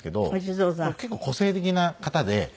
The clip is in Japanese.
結構個性的な方で。